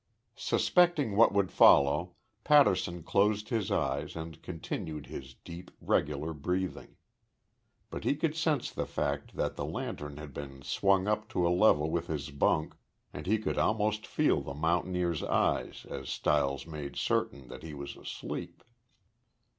Suspecting what would follow, Patterson closed his eyes and continued his deep, regular breathing. But he could sense the fact that the lantern had been swung up to a level with his bunk and he could almost feel the mountaineer's eyes as Stiles made certain that he was asleep.